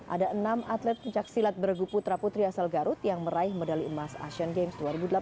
ada enam atlet pencaksilat bergupu terapu triasal garut yang meraih medali emas asian games dua ribu delapan belas